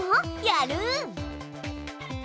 やる！